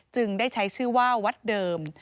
ได้ใช้ชื่อว่าวัดเดิม